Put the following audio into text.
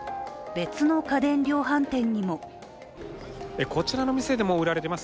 別の家電量販店にもこちらの店でも売られています、